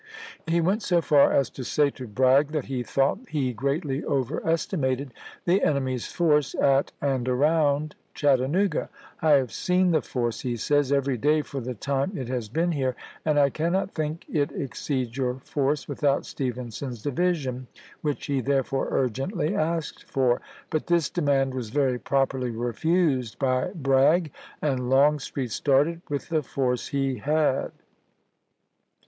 He went so far as to say to Bragg that he thought he greatly over estimated the enemy's force at and around Chattanooga. "I have seen the force," he says, " every day for the time it has been here, and I cannot think it ex ceeds your force without Stevenson's division," n)id.,p.46i. which he, therefore, urgently asked for; but this demand was very properly refused by Bragg, and Longstreet started with the force he had.